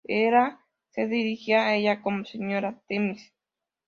Hera se dirigía a ella como ‘Señora Temis’.